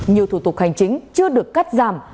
nhiều thủ tục hành chính chưa được cắt giảm